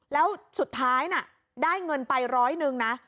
แล้วสุดท้ายน่ะได้เงินไปร้อยหนึ่งนะ